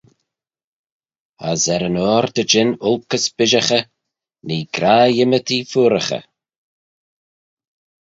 As er-yn-oyr dy jean olkys bishaghey, nee graih ymmodee feayraghey.